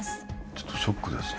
ちょっとショックですね